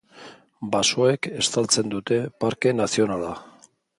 Basoek estaltzen dute Parke Nazionala.